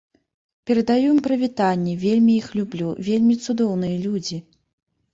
Перадаю ім прывітанне, вельмі іх люблю, вельмі цудоўныя людзі.